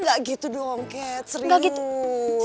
gak gitu dong cat serius